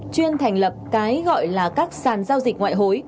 chuyên thành lập cái gọi là các sàn giao dịch ngoại hối